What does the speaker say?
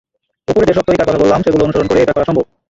ওপরে যেসব তরিকার কথা বললাম, সেগুলো অনুসরণ করে এটা করা সম্ভব।